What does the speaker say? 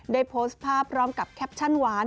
โพสต์ภาพพร้อมกับแคปชั่นหวาน